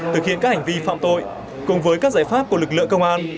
thực hiện các hành vi phạm tội cùng với các giải pháp của lực lượng công an